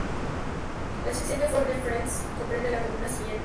La sección de Fort-de-France comprende la comuna siguiente